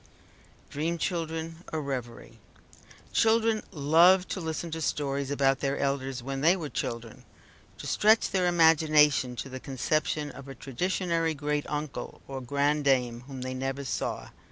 DREAM CHILDREN A REVERIE Children love to listen to stories about their elders, when they were children; to stretch their imagination to the conception of a traditionary great uncle, or grandame, whom they never saw.